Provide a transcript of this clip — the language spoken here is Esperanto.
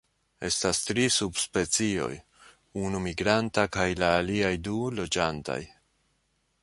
Estas tri subspecioj, unu migranta, kaj la aliaj du loĝantaj.